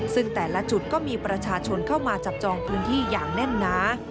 ซึ่งแต่ละจุดก็มีประชาชนเข้ามาจับจองพื้นที่อย่างแน่นหนา